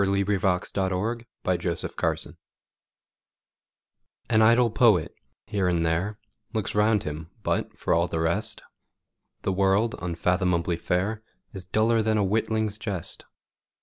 Coventry Patmore The Revelation AN idle poet, here and there, Looks round him, but, for all the rest, The world, unfathomably fair, Is duller than a witling's jest.